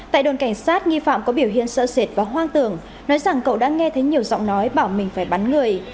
tại đồn cảnh sát nghi phạm có biểu hiện sợ sệt và hoang tưởng nói rằng cậu đã nghe thấy nhiều giọng nói bảo mình phải bắn người